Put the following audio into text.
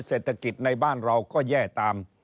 เศรษฐกิจในบ้านเราก็แย่ตาม